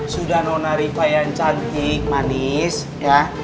sudah noh narifa yang cantik manis ya